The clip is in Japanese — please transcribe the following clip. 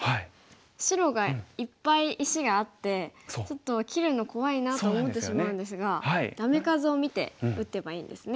白がいっぱい石があってちょっと切るの怖いなって思ってしまうんですがダメ数を見て打てばいいんですね。